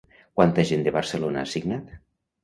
Quanta gent de Barcelona ha signat?